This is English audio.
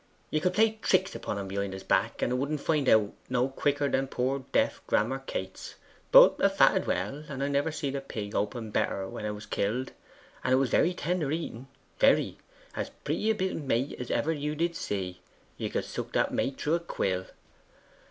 Ye could play tricks upon en behind his back, and a' wouldn't find it out no quicker than poor deaf Grammer Cates. But a' fatted well, and I never seed a pig open better when a' was killed, and 'a was very tender eating, very; as pretty a bit of mate as ever you see; you could suck that mate through a quill.